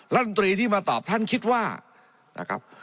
รัฐมนตรีที่มาตอบท่านคิดว่านะครับ